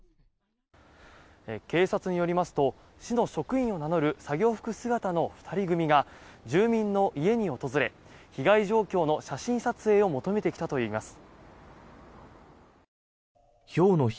警察によりますと市の職員を名乗る作業服姿の２人組が住民の家に訪れ被害状況の写真撮影を求めてきたといいます。